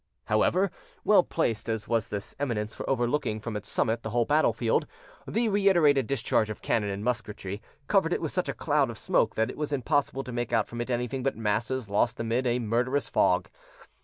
However well placed as was this eminence for overlooking from its summit the whole battlefield, the reiterated discharge of cannon and musketry covered it with such a cloud of smoke that it was impossible to make out from it anything but masses lost amid a murderous fog.